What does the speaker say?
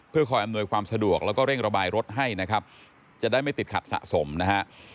เพื่อคอยอำนวยความสะดวกแล้วก็เร่งระบายรถให้นะครับจะได้ไม่ติดขัดสะสมนะฮะ